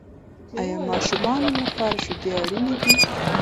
آیا ماشومانو لپاره شیدې اړینې دي؟